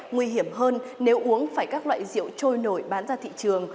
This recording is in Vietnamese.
nguy hiểm hơn nếu uống phải các loại rượu trôi nổi bán ra thị trường